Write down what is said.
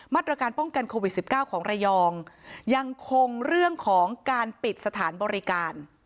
มาตรการป้องกันโควิด๑๙ของระยองยังคงเรื่องของการปิดสถานบริการ